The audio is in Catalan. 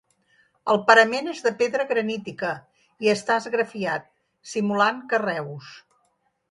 El parament és de pedra granítica i està esgrafiat simulant carreus.